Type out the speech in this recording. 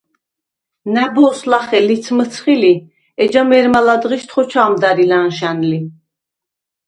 ნა̈ბოზს ლახე ლიც მჷცხი ლი, ეჯა მე̄რმა ლა̈დღიშდ ხოჩა̄მ და̈რი ლა̈ნშა̈ნ ლი.